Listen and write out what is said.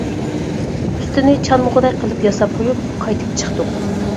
ئۈستىنى چانمىغۇدەك قىلىپ ياساپ قويۇپ، قايتىپ چىقتۇق.